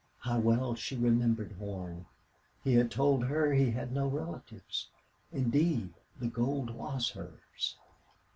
How well she remembered Horn! He had told her he had no relatives. Indeed, the gold was hers.